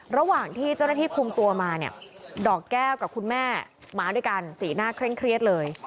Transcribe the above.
ระหว่างที่เจ้าหน้าที่คุมตัวมาเนี่ยดอกแก้วกับคุณแม่มาด้วยกันสีหน้าเคร่งเครียดเลย